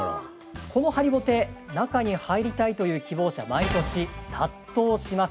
この張りぼての中に入りたいという希望者が毎年、殺到します。